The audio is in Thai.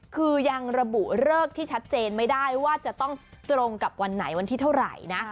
คือยังระบุเลิกที่ชัดเจนไม่ได้ว่าจะต้องตรงกับวันไหนวันที่เท่าไหร่นะ